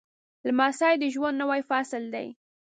لمسی د ژوند نوی فصل دی.